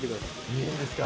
いいんですか？